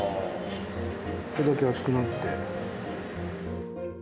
ここだけ厚くなって。